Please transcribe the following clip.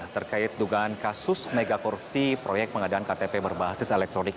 terkait dugaan kasus megakorupsi proyek pengadaan ktp berbasis elektronik